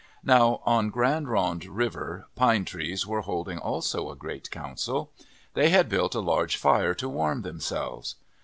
Now on Grande Ronde River, Pine Trees were holding also a great council. They had built a large fire to warm themselves.